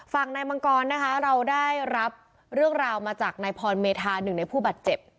ฝั่งนายมังกรนะคะเราได้รับเรื่องราวมาจากนายพรเมธาหนึ่งในผู้บาดเจ็บ